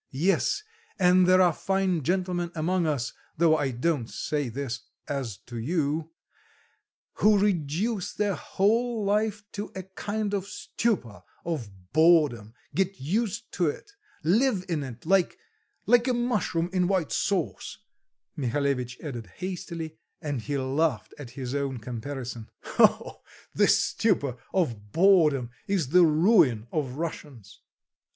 Yes! and there are fine gentlemen among us though I don't say this as to you who reduce their whole life to a kind of stupor of boredom, get used to it, live in it, like like a mushroom in white sauce," Mihalevitch added hastily, and he laughed at his own comparison. "Oh! this stupor of boredom is the ruin of Russians.